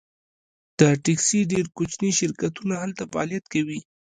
د ټکسي ډیر کوچني شرکتونه هلته فعالیت کوي